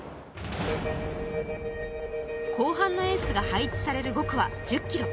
後半のエースが配置される５区は１０ｋｍ。